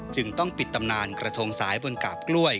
จึงต้องปิดตำนานกระทงสายบนกาบกล้วย